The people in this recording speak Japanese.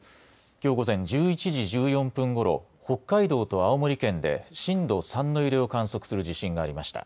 きょう午前１１時１４分ごろ北海道と青森県で震度３の揺れを観測する地震がありました。